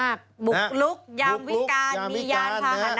บุกลุกยามวิการมียานพาหนะ